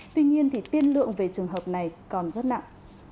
tuy nhiên thì tiên lượng về trường hợp này còn rất nặng